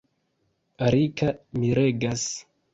Rika miregas.